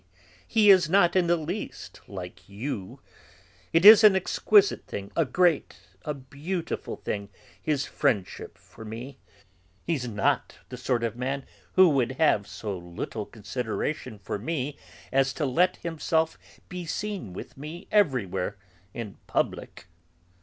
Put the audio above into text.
He is not in the least like you; it is an exquisite thing, a great, a beautiful thing, his friendship for me. He's not the sort of man who would have so little consideration for me as to let himself be seen with me everywhere in public."